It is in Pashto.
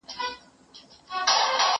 که وخت وي، کتابونه وليکم!؟!؟